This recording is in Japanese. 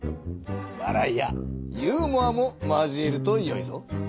わらいやユーモアも交えるとよいぞ。